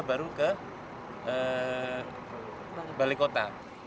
baru ke balik kota